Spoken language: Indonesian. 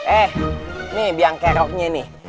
eh ini biang keroknya nih